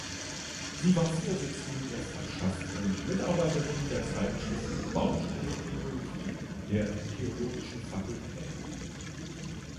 Sie war Vorsitzende der Fachschaft und Mitarbeiterin der Zeitschrift "Baustelle Theologie" der theologischen Fakultät.